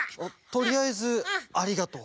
とりあえずありがとう。